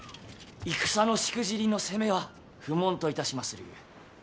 戦のしくじりの責めは不問といたしまするゆえ。